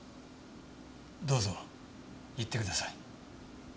どうぞ言ってください。